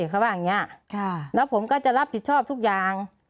เขาว่าอย่างนี้แล้วผมก็จะรับผิดชอบทุกอย่าง